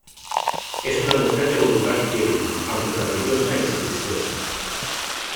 Es una mujer de voluntad firme, aunque caprichosa e insatisfecha.